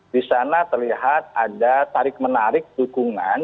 di sana terlihat ada tarik menarik dukungan